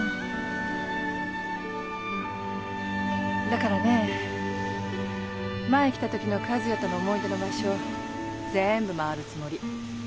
だからね前来た時の和也との思い出の場所全部まわるつもり。